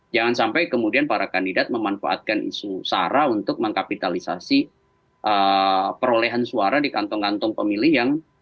jangan sampai kemudian para kandidat memanfaatkan isu sara untuk mengkapitalisasi perolehan suara di kantong kantong pemilih yang